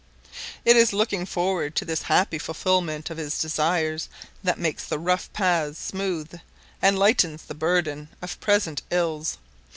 It is looking forward to this happy fulfillment of his desires that makes the rough paths smooth, and lightens the burden of present ills.